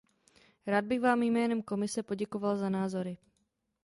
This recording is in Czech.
Rád bych vám jménem Komise poděkoval za názory.